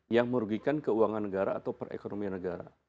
yang merugikan keuangan negara atau perekonomian negara